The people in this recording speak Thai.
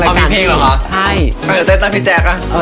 มีเพลงเหรอครับอ๋ออยากเต้นตามพี่แจ๊คอ่ะ